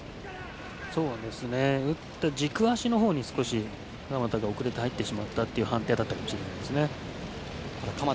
軸足のほうに、鎌田が遅れて入ってしまったという判定だったかもしれないです。